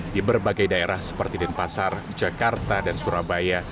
di berbagai daerah seperti denpasar jakarta dan surabaya